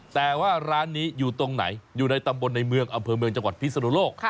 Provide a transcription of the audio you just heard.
แต่ว่าร้านนี้อยู่ตรงไหนอยู่ในตำบลในเมืองอำเภอเมืองจังหวัดพิศนุโลก